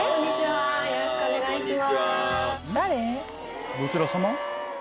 よろしくお願いします。